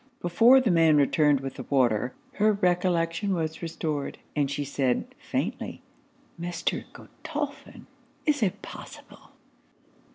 Before the man returned with the water, her recollection was restored, and she said, faintly 'Mr. Godolphin! Is it possible?'